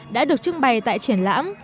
đã được trưng bày tại triển lãm